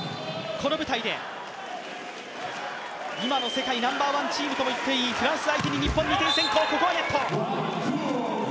この舞台で今の世界ナンバーワンチームといってもいいフランス相手に日本、２点先行。